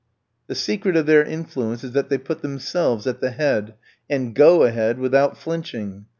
The secret of their influence is that they put themselves at the head, and go ahead, without flinching.